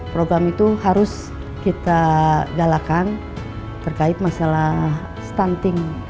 program itu harus kita galakan terkait masalah stunting